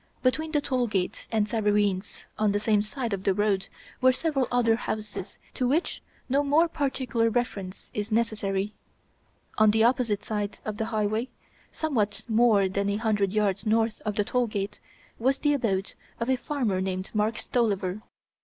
Between the toll gate and Savareen's on the same side of the road were several other houses to which no more particular reference is necessary. On the opposite side of the highway, somewhat more than a hundred yards north of the toll gate, was the abode of a farmer named Mark Stolliver.